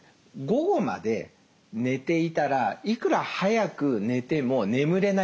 午後まで寝ていたらいくら早く寝ても眠れないんですね。